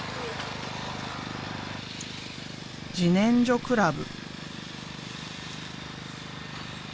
自然生クラブ。